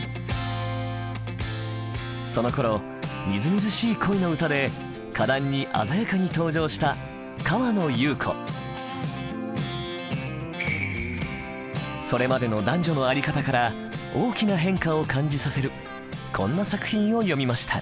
そのころみずみずしい恋の歌で歌壇に鮮やかに登場したそれまでの男女の在り方から大きな変化を感じさせるこんな作品を詠みました。